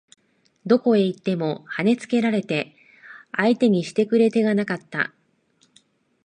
どこへ行っても跳ね付けられて相手にしてくれ手がなかった